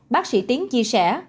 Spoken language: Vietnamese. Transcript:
bác sĩ tiến chia sẻ